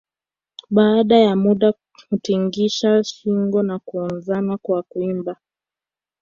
Baada ya muda hutingisha shinngo na huongozana kwa kuimba